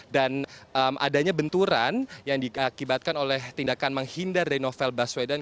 dan adanya benturan yang diakibatkan oleh tindakan menghindar dari novel baswedan